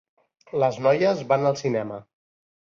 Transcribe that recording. Les noies van al cinema.